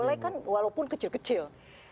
walaikan walaupun kecil kecil